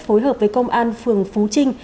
phối hợp với công an phường phú trinh